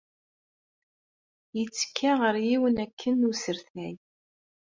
Yettekka ɣer yiwen akken usertay.